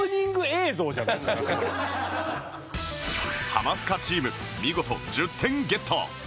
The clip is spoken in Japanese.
ハマスカチーム見事１０点ゲット